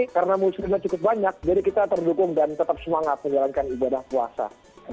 karena musimnya cukup banyak jadi kita terdukung dan tetap semangat menjalankan ibadah puasa